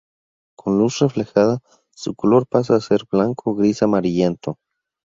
Con luz reflejada, su color pasa a ser blanco-gris amarillento.